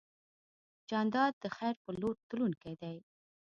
جانداد د خیر په لور تلونکی دی.